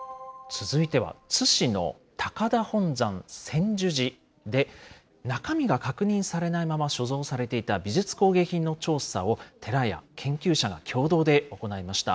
続いては、津市の高田本山専修寺で、中身が確認されないまま所蔵されていた美術工芸品の調査を寺や研究者が共同で行いました。